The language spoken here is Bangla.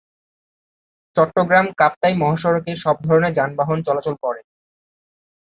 চট্টগ্রাম-কাপ্তাই মহাসড়কে সব ধরনের যানবাহন চলাচল করে।